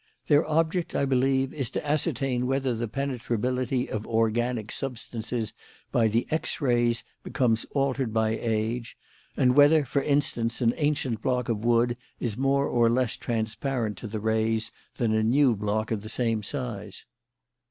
"Their object, I believe, is to ascertain whether the penetrability of organic substances by the X rays becomes altered by age; whether, for instance, an ancient block of wood is more or less transparent to the rays than a new block of the same size."